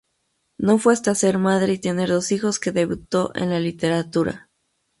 No fue hasta ser madre y tener dos hijos que debutó en la literatura.